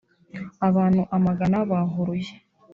Abantu amagana bahuruye